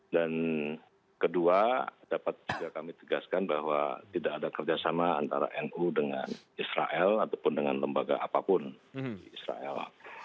kedua dapat juga kami tegaskan bahwa tidak ada kerjasama antara nu dengan israel ataupun dengan lembaga apapun di israel